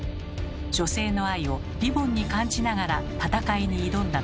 女性の愛をリボンに感じながら戦いに挑んだのです。